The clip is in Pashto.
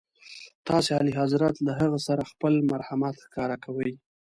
تاسي اعلیحضرت له هغې سره خپل مرحمت ښکاره کوئ.